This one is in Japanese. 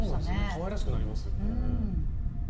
かわいらしくなりますよね。